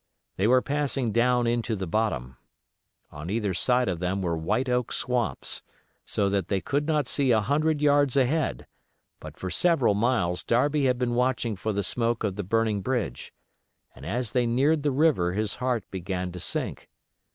They were passing down into the bottom. On either side of them were white oak swamps, so that they could not see a hundred yards ahead; but for several miles Darby had been watching for the smoke of the burning bridge, and as they neared the river his heart began to sink.